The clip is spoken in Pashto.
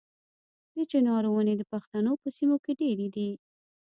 د چنار ونې د پښتنو په سیمو کې ډیرې دي.